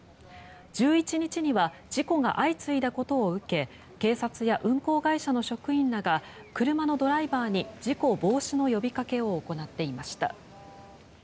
１１日には事故が相次いだことを受け警察や運行会社の職員らが車のドライバーに事故防止の呼びかけを行っていました。